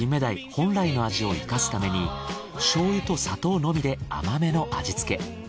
本来の味を活かすために醤油と砂糖のみで甘めの味付け。